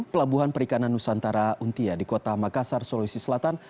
pelabuhan perikanan nusantara untia di kota makassar sulawesi selatan